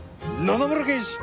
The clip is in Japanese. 野々村刑事！